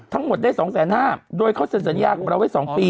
ทั้งหมดได้สองแสนห้าโดยเขาเสริมสัญญาณของเราไว้สองปี